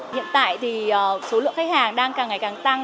hiện tại thì số lượng khách hàng đang càng ngày càng tăng